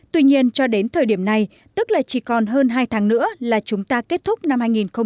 tuy nhiên cho đến thời điểm này tức là chỉ còn hơn hai tháng nữa là chúng ta kết thúc năm hai nghìn một mươi chín